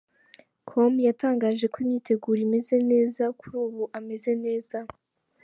com yatangaje ko imyiteguro imeze neza kuri ubu ameze neza.